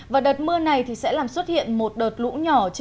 và đợt mưa này sẽ làm xuất hiện một đợt lũ nhỏ